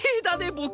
僕。